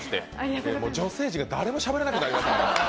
女性陣が誰もしゃべらなくなりましたから。